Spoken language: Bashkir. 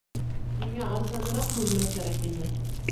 Миңә арзаныраҡ бүлмә кәрәк ине